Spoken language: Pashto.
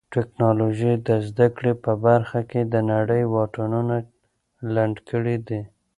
ټیکنالوژي د زده کړې په برخه کې د نړۍ واټنونه لنډ کړي دي.